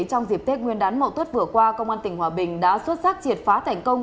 trong dịp tết nguyên đán mậu tuất vừa qua công an tỉnh hòa bình đã xuất sắc triệt phá thành công